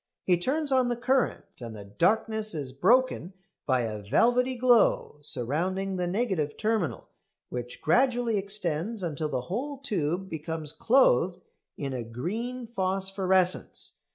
He turns on the current and the darkness is broken by a velvety glow surrounding the negative terminal, which gradually extends until the whole tube becomes clothed in a green phosphorescence.